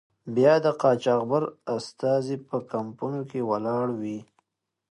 بیا د قاچاقبر استازی په کمپونو کې ولاړ وي.